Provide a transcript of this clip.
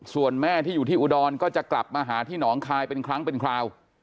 ส่วนแม่ที่อยู่ที่อุดรก็จะกลับมาหาที่หนองคายเป็นครั้งเป็นคราว